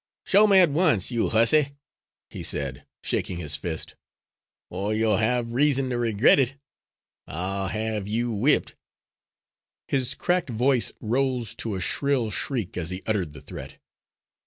"Show me at once, you hussy," he said, shaking his fist, "or you'll have reason to regret it. I'll have you whipped." His cracked voice rose to a shrill shriek as he uttered the threat.